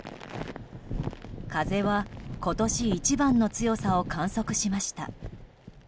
風は今年一番の強さを観測しました。